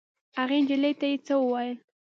هغې نجلۍ ته یې څه وویل.